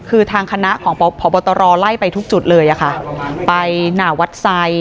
คือทางคณะของพบตรไล่ไปทุกจุดเลยอะค่ะไปหน้าวัดไซด